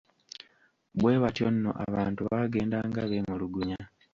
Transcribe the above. Bwe batyo nno abantu baagendanga beemulugunya.